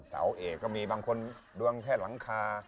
เสาเอกบางคนยังดวงแค่หลังคา